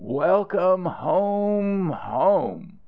"Welcome home! Home!"